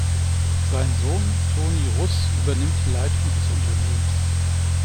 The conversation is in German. Sein Sohn, Toni Russ übernimmt die Leitung des Unternehmens.